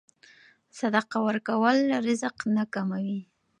صدقه ورکول رزق نه کموي.